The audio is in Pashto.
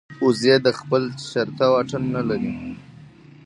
وزې د خپل چرته واټن نه لري